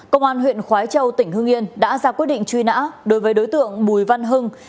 công an huyện khói châu tỉnh hương yên đã ra quyết định truy nã đối với đối tượng bùi văn hưng